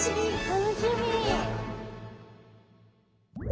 楽しみ。